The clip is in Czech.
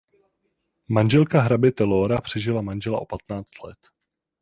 Manželka hraběte Laura přežila manžela o patnáct let.